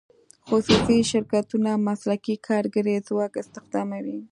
خصوصي شرکتونه مسلکي کارګري ځواک استخداموي.